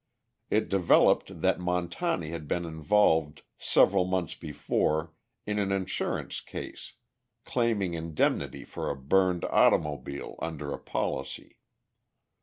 It developed that Montani had been involved several months before in an insurance case, claiming indemnity for a burned automobile under a policy.